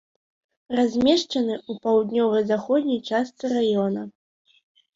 Размешчаны ў паўднёва-заходняй частцы раёна.